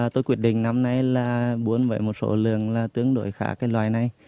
tôi quyết định năm nay là muốn với một số lượng tương đối khả cái loài này